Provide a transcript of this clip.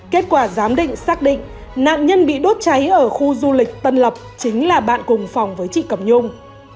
kết quả giám định xác định nạn nhân bị đốt cháy ở khu du lịch tân lập chính là bạn cùng phòng với chị cẩm nhung